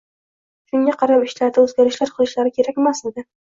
shunga qarab ishlarida o‘zgarishlar qilishlari kerakmasmidi?